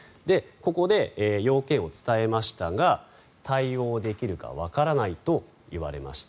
ここで、要件を伝えましたが対応できるかわからないと言われました。